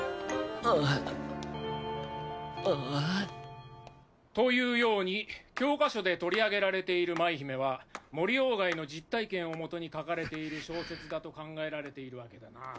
うう。というように教科書で取り上げられている『舞姫』は森外の実体験を元に書かれている小説だと考えられているわけだな。